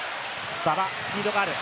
馬場、スピードがある。